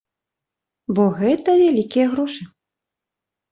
Бо гэта вялікія грошы.